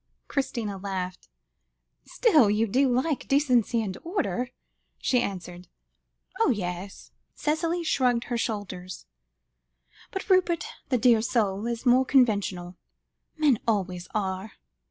Christina laughed. "Still, you do like decency and order," she answered. "Ah! yes," Cicely shrugged her shoulders; "but Rupert, the dear soul, is more conventional. Men always are.